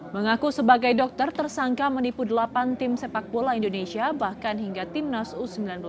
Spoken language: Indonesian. mengaku sebagai dokter tersangka menipu delapan tim sepak bola indonesia bahkan hingga timnas u sembilan belas